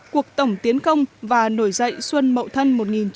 cuộc tổng tiến công và nổi dạy xuân mậu thân một nghìn chín trăm sáu mươi tám